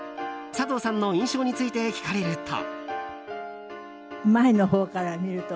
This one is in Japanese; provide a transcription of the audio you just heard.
佐藤さんの印象について聞かれると。